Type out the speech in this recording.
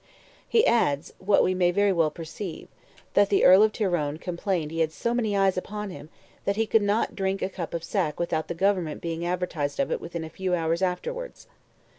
He adds, what we may very well believe, that the Earl of Tyrone complained he had so many eyes upon him, that he could not drink a cup of sack without the government being advertised of it within a few hours afterwards.